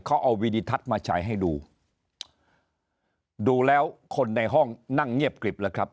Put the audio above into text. เขาเอาวีดิทัศน์มาฉายให้ดูดูแล้วคนในห้องนั่งเงียบกริบแล้วครับ